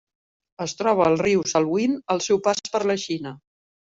Es troba al riu Salween al seu pas per la Xina.